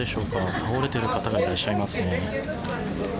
倒れている方がいらっしゃいますね。